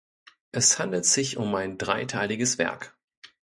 Es handelt sich um ein dreiteiliges Werk.